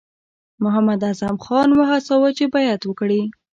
محمداعظم خان وهڅاوه چې بیعت وکړي.